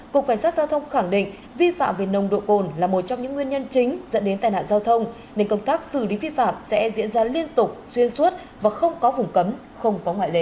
cục cảnh sát giao thông khẳng định vi phạm về nồng độ cồn là một trong những nguyên nhân chính dẫn đến tai nạn giao thông nên công tác xử lý vi phạm sẽ diễn ra liên tục xuyên suốt và không có vùng cấm không có ngoại lệ